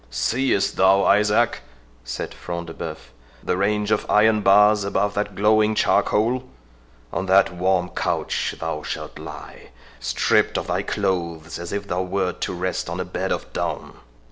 "Seest thou, Isaac," said Front de Bœuf, "the range of iron bars above the glowing charcoal?— 28 on that warm couch thou shalt lie, stripped of thy clothes as if thou wert to rest on a bed of down.